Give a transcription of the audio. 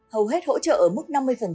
hầu hết hỗ trợ ở mức năm mươi